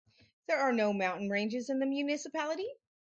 There are no mountain ranges in the municipality.